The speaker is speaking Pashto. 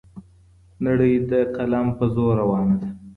نړۍ د قلم په زور روانه ده.